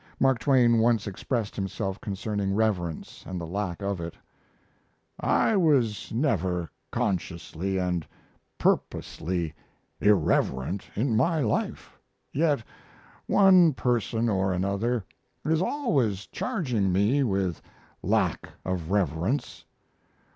Mark Twain once expressed himself concerning reverence and the lack of it: "I was never consciously and purposely irreverent in my life, yet one person or another is always charging me with a lack of reverence.